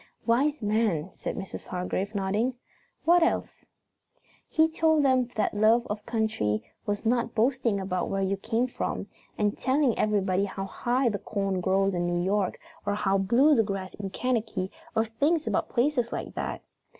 "Wise man," said Mrs. Hargrave, nodding. "What else?" "He told them that love of country was not boasting about where you came from, and telling everybody how high the corn grows in New York, or how blue the grass is in Kentucky or things about places like that.